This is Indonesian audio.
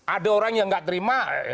ada orang yang gak terima